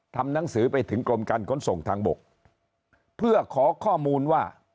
ทำหนังสือไปถึงกรมการขนส่งทางบกเพื่อขอข้อมูลว่า